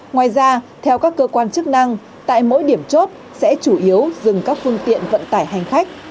ngoài ra theo các cơ quan chức năng tại mỗi điểm chốt sẽ chủ yếu dừng các phương tiện vận tải hành khách